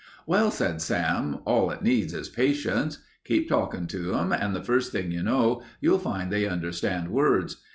"Well," said Sam, "all it needs is patience. Keep talkin' to 'em and the first thing you know you'll find they understand words.